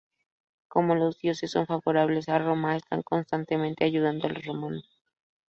Como los dioses son favorables a Roma, están constantemente ayudando a los romanos.